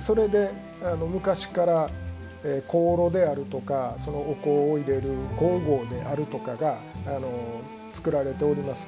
それで昔から香炉であるとかお香を入れる香合であるとかが作られております。